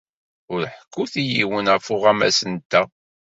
Ur ḥekkut i yiwen ɣef uɣawas-nteɣ.